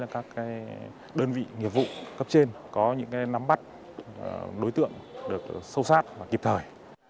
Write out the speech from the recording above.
các đơn vị nghiệp vụ cấp trên có những nắm bắt đối tượng được sâu sát và kịp thời